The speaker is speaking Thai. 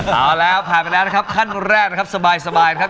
เอาแล้วผ่านไปแล้วนะครับขั้นแรกนะครับสบายครับ